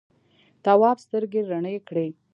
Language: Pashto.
تواب سترګې رڼې کړې.